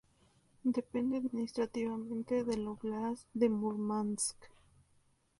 Depende administrativamente del óblast de Múrmansk.